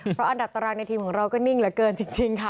เพราะอันดับตารางในทีมของเราก็นิ่งเหลือเกินจริงค่ะ